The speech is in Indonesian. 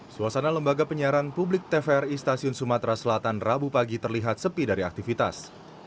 suasana lembaga penyiaran publik tvri stasiun sumatera selatan rabu pagi terlihat sepi dari aktivitas